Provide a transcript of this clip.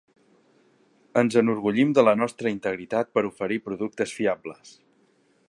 Ens enorgullim de la nostra integritat per oferir productes fiables.